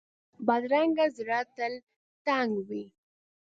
بدرنګه زړه تل تنګ وي